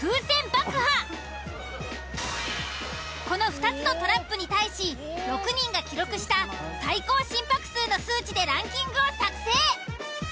この２つのトラップに対し６人が記録した最高心拍数の数値でランキングを作成。